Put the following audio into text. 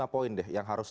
lima poin yang harus